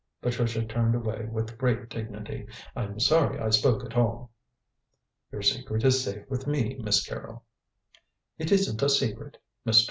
Patricia turned away with great dignity. "I'm sorry I spoke at all." "Your secret is safe with me, Miss Carrol." "It isn't a secret. Mr.